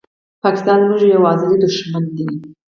پاکستان زموږ یو ازلې دښمن دي